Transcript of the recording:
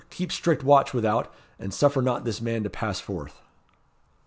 Keep strict watch without; and suffer not this man to pass forth!"